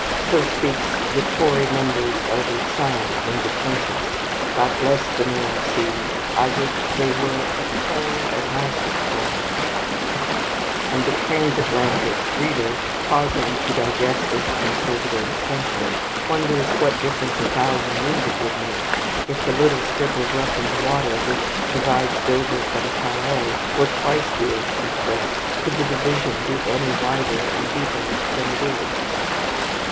So speaks "the Tory member's elder son," in "The Princess": "... God bless the narrow seas! I wish they were a whole Atlantic broad"; and the transatlantic reader, pausing to digest this conservative sentiment, wonders what difference a thousand leagues would make. If the little strip of roughened water which divides Dover from Calais were twice the ocean's breadth, could the division be any wider and deeper than it is?